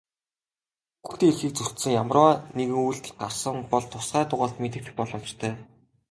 Хүүхдийн эрхийг зөрчсөн ямарваа нэгэн үйлдэл гарсан бол тусгай дугаарт мэдэгдэх боломжтой.